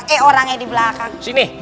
eh orangnya di belakang